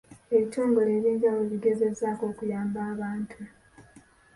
Ebitongole eby'enjawulo bigezaako okuyamba abantu.